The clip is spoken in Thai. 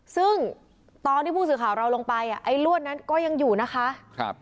ซึ่งตอนที่ผู้สื่อข่าวเราลงไปอ่ะไอ้ลวดนั้นก็ยังอยู่นะคะ